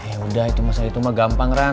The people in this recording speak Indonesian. yaudah itu masa itu mah gampang ran